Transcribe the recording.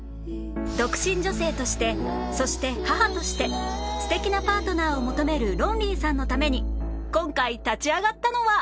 独身女性としてそして母として素敵なパートナーを求めるロンリーさんのために今回立ち上がったのは